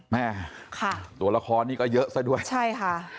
แม่ค่ะตัวละครนี่ก็เยอะซะด้วยใช่ค่ะ